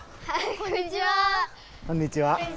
こんにちは。